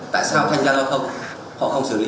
tại sao thanh gian giao thông họ không xử lý